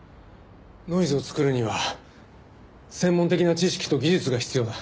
ノイズを作るには専門的な知識と技術が必要だ。